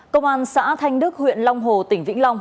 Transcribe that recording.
công an xã thanh đức huyện long hồ tỉnh vĩnh long